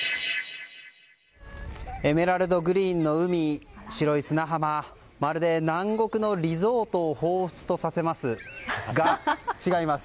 エメラルドグリーンの海白い砂浜まるで南国のリゾートをほうふつとさせますが違います。